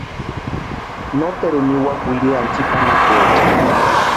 Noteruni niwaka wiriani tsipa anapuechani.